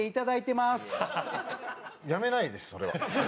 やめないですそれは。